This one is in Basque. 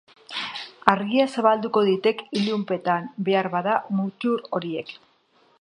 Argia zabalduko ditek ilunpetan, beharbada, muttur horiek.